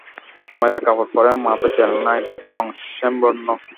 ময়লা কাপড় পরনে, মাথায় তেল নাই, রং শ্যামবর্ণ।